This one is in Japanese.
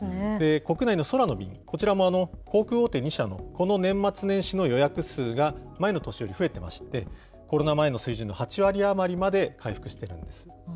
国内の空の便、こちらも航空大手２社のこの年末年始の予約数が前の年より増えてまして、コロナ前の水準の８割余りまで回復しているんです。